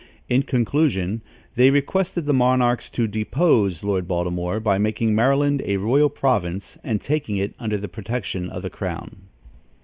In conclusion, they requested the monarchs to depose Lord Baltimore by making Maryland a royal province and taking it under the protection of the crown.